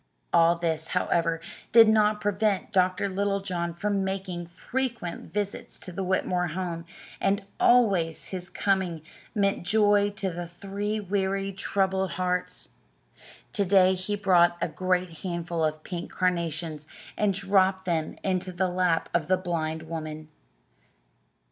All this, however, did not prevent Dr. Littlejohn from making frequent visits to the Whitmore home, and always his coming meant joy to three weary, troubled hearts. To day he brought a great handful of pink carnations and dropped them into the lap of the blind woman.